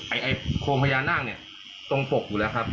ไอ้โครงพญานาคเนี่ยตรงปกอยู่แล้วครับ